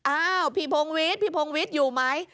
อ้าวพี่พงวิทย์พี่พงวิทย์อยู่ไหม